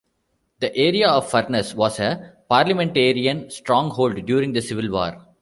The area of Furness was a Parliamentarian stronghold during the Civil War.